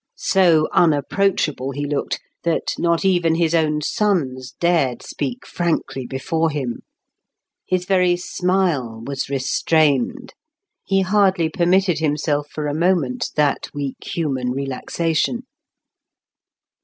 So unapproachable he looked, that not even his own sons dared speak frankly before him. His very smile was restrained; he hardly permitted himself for a moment that weak human relaxation.